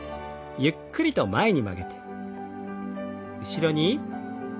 ゆっくりと前に曲げて後ろに。